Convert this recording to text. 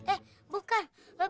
eh bukan penjahat